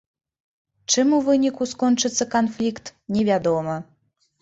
Чым у выніку скончыцца канфлікт, невядома.